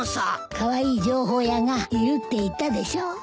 「カワイイ情報屋がいる」って言ったでしょ。